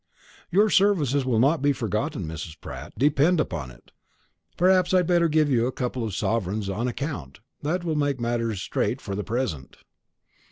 "Your services will not be forgotten, Mrs. Pratt, depend upon it. Perhaps I'd better give you a couple of sovereigns on account: that'll make matters straight for the present."